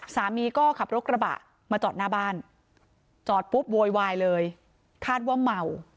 สามีก็ขับรถกระบะมาจอดหน้าบ้านจอดปุ๊บโวยวายเลยคาดว่าเมา